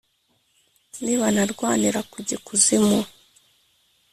nibanarwanira kujya iku zimu,